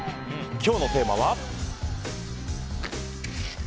今日のテーマは。